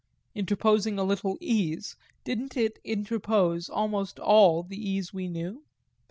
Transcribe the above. Interposing a little ease, didn't it interpose almost all the ease we knew?